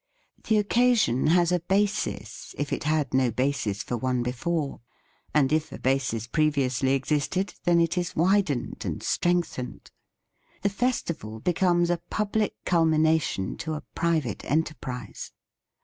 The occasion has a basis, if it had no basis for one before; and if a basis previously existed, then it is wid ened and strengthened. The festival becomes a public culmination to a pri vate enterprise.